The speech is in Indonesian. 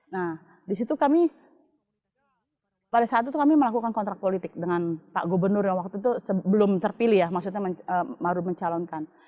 nah disitu kami pada saat itu kami melakukan kontrak politik dengan pak gubernur yang waktu itu sebelum terpilih ya maksudnya baru mencalonkan